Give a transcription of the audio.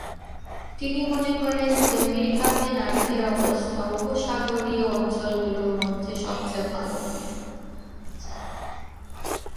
তিনি মনে করেন যে আমিরাতে নারীদের অবস্থা উপসাগরীয় অঞ্চলগুলোর মধ্যে সবচেয়ে ভাল।